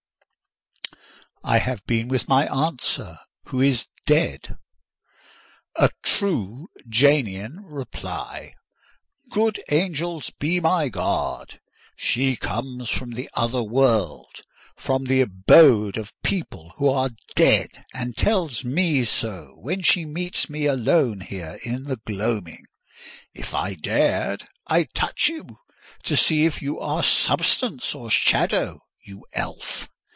"I have been with my aunt, sir, who is dead." "A true Janian reply! Good angels be my guard! She comes from the other world—from the abode of people who are dead; and tells me so when she meets me alone here in the gloaming! If I dared, I'd touch you, to see if you are substance or shadow, you elf!